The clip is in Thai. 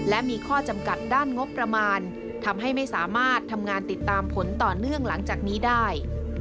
และมีข้อจำกัดด้านงบประมาณทำให้ไม่สามารถทำงานติดตามผลต่อเนื่องหลังจากนี้ได้